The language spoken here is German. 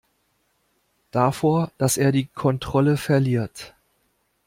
Davor, dass er die Kontrolle verliert.